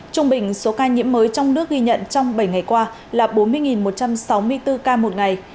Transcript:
trung bình số ca nhiễm mới trong nước ghi nhận trong bảy ngày qua là bốn mươi một trăm sáu mươi bốn ca một ngày